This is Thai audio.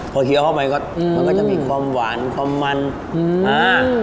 พอเคี้ยวเข้าไปก็มันก็จะมีความหวานความมันอืมอ่า